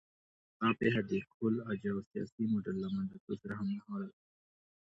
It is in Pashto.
دا پېښه د کهول اجاو سیاسي موډل له منځه تلو سره هممهاله ده